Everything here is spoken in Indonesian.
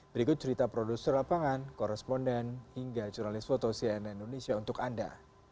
berikut cerita produser lapangan koresponden hingga jurnalis foto cnn indonesia untuk anda